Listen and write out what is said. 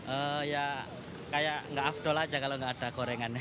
oh ya kayak gak afdol aja kalau gak ada gorengan